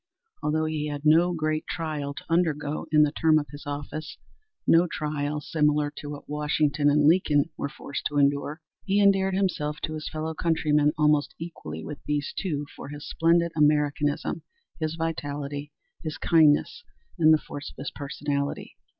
Although he had no great trial to undergo in the term of his office no trial similar to what Washington and Lincoln were forced to endure, he endeared himself to his fellow countrymen almost equally with these two for his splendid Americanism, his vitality, his kindness and the force of his personality.